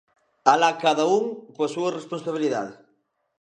¡Alá cada un coa súa responsabilidade!